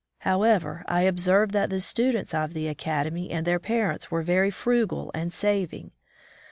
How ever, I observed that the students of the academy and their parents were very frugal and saving.